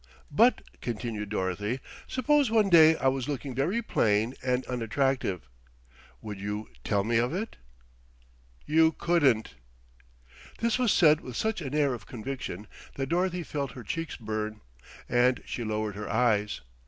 "But," continued Dorothy, "suppose one day I was looking very plain and unattractive, would you tell me of it?" "You couldn't." This was said with such an air of conviction that Dorothy felt her cheeks burn, and she lowered her eyes.